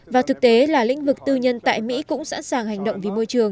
và thực tế là lĩnh vực tư nhân tại mỹ cũng sẵn sàng hành động vì môi trường